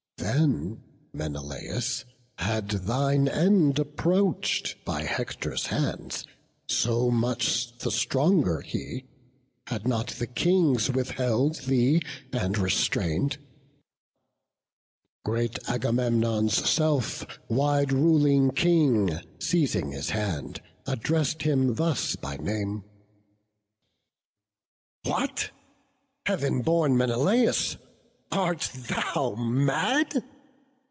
Then, Menelaus, had thine end approach'd By Hector's hands, so much the stronger he, Had not the Kings withheld thee and restrain'd. Great Agamemnon's self, wide ruling King, Seizing his hand, address'd him thus by name: "What! Heav'n born Menelaus, art thou mad?